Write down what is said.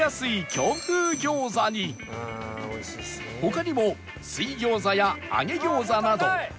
他にも水餃子や揚げ餃子など